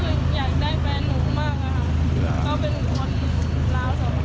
ก็เป็นผู้คนราวสวะครับเกาะราวเลยค่ะ